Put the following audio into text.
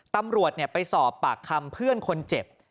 ตำรวจไปสอบปากคำเพื่อนคนเจ็บ